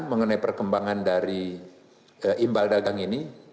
mengenai perkembangan dari imbal dagang ini